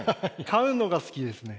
買うのが好きですね。